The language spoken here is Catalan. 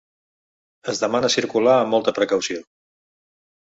Es demana circular amb molta precaució.